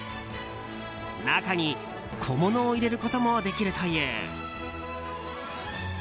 中に小物を入れることもできるという。